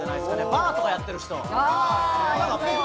バーとかやってる人。